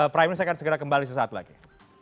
prime news akan segera kembali sesaat lagi